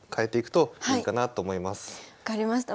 分かりました。